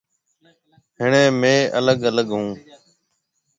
هڻيَ مهيَ الگ الگ هون۔